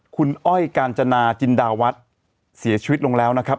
คุณอ้อยกาญจนาจินดาวัฒน์เสียชีวิตลงแล้วนะครับ